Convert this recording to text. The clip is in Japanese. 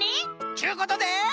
ちゅうことで。